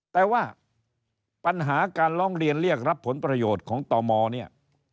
แต่ว่าปัญหาการร้องเรียนเรียกรับผลประโยชน์ของตมเนี่ย